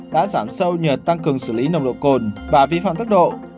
đã giảm sâu nhờ tăng cường xử lý nồng độ cồn và vi phạm tốc độ